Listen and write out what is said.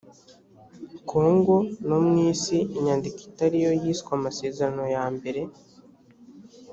kongo no mu isi inyandiko itari yo yiswe amaserano yambere